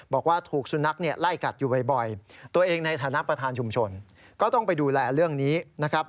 บอกว่าถูกสุนัขเนี่ยไล่กัดอยู่บ่อยตัวเองในฐานะประธานชุมชนก็ต้องไปดูแลเรื่องนี้นะครับ